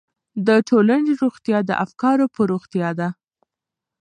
د ټولنې روغتیا د افکارو په روغتیا ده.